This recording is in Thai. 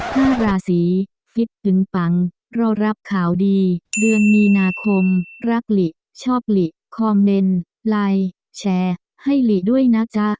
ห้าราศีฟิตปึงปังเรารับข่าวดีเดือนมีนาคมรักหลิชอบหลีคอมเมนต์ไลน์แชร์ให้หลีด้วยนะจ๊ะ